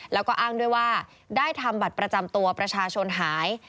แล้วก็อ้างด้วยว่าได้ทำบัตรประจำตัวประชาชนหาย